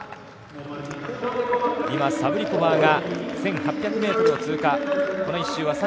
今、サブリコバーが１８００ｍの通過。